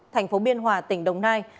thành phố biên hòa tỉnh đồng nai